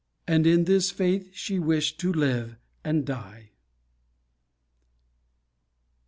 And in this faith she wished to live and die.